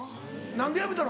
何で辞めたの？